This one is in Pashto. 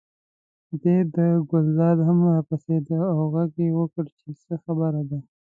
دې سره ګلداد هم راپاڅېد او غږ یې وکړ چې څه خبره ده.